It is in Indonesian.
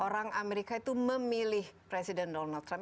orang amerika itu memilih presiden donald trump